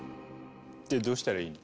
でどうしたらいいの？